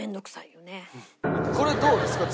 これどうですか？